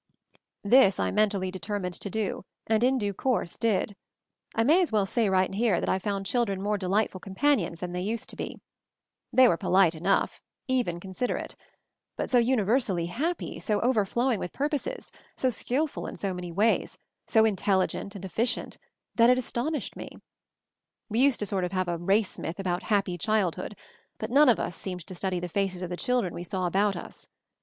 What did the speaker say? This I mentally determined to do, and in due course did. I may as well say right MOVING THE MOUNTAIN 203 here that I found children more delightful companions than they used to be. They were polite enough, even considerate ; but so uni versally happy, so overflowing with pur poses, so skilful in so many ways, so intelli gent and efficient, that it astonished me. We used to have a sort of race myth about "happy childhood," but none of us seemed to study the faces of the children we saw about us.